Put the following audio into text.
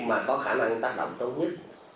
mà có khả năng tác động tốt nhất